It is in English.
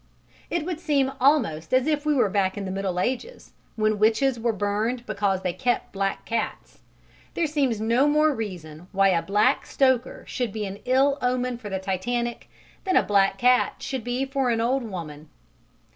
It would seem almost as if we were back in the Middle Ages when witches were burned because they kept black cats. There seems no more reason why a black stoker should be an ill omen for the Titanic than a black cat should be for an old woman.